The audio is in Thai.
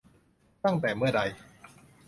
ตั้งแต่เมื่อใด ?